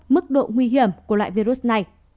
mức độ nguy hiểm của loại virus này